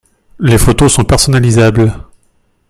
Les photos sont personnalisables.